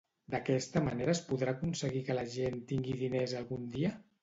D'aquesta manera es podrà aconseguir que la gent tingui diners algun dia?